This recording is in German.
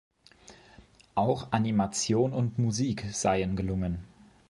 Auch Animation und Musik seien gelungen.